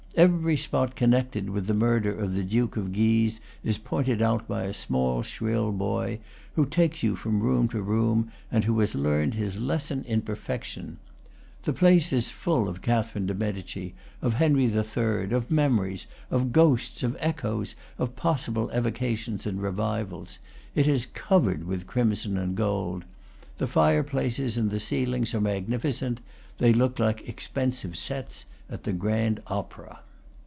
Every spot connected with the murder of the Duke of Guise is pointed out by a small, shrill boy, who takes you from room to room, and who has learned his lesson in perfection. The place is full of Catherine de' Medici, of Henry III., of memories, of ghosts, of echoes, of possible evocations and revivals. It is covered with crimson and gold. The fireplaces and the ceilings are magnificent; they look like ex pensive "sets" at the grand opera.